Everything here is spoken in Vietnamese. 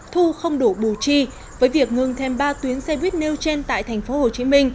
thu không đủ bù chi với việc ngừng thêm ba tuyến xe buýt nêu trên tại tp hcm